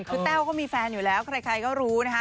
คือแต้วก็มีแฟนอยู่แล้วใครก็รู้นะคะ